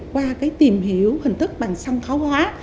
qua cái tìm hiểu hình thức bằng sân khấu hóa